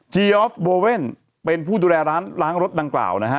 ออฟโบเว่นเป็นผู้ดูแลร้านล้างรถดังกล่าวนะฮะ